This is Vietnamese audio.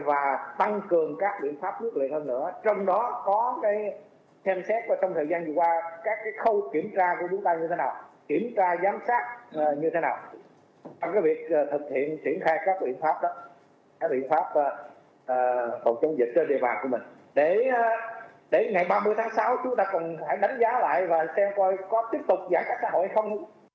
và xem coi có tiếp tục giãn cách xã hội hay không